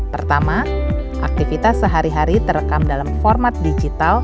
pertama aktivitas sehari hari terekam dalam format digital